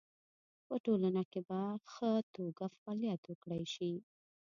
په ټولنه کې په خه توګه فعالیت وکړی شي